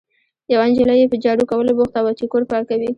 یوه نجلۍ یې په جارو کولو بوخته وه، چې کور پاکوي.